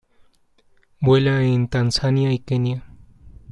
Vuela en Tanzania y Kenia.